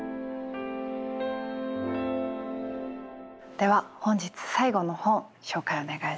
では本日最後の本紹介お願いします。